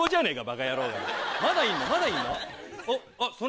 まだいんの？